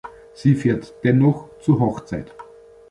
Sie fährt dennoch zur Hochzeit.